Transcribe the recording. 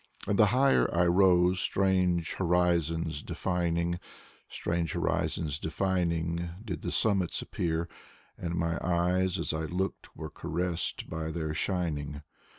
And the higher I rose, strange horizons defining, Strange horizons defining, did the summits appear ; And my eyes as I looked were caressed by their shining.